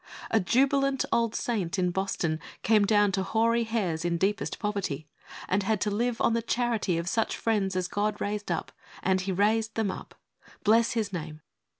A jubilant old saint in Boston came down to hoary hairs in deepest poverty and had to live on the charity of such friends as God raised up, and He raised them up. Bless His name